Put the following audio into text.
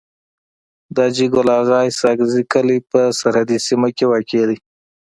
د حاجي ګل اغا اسحق زی کلی په سرحدي سيمه کي واقع دی.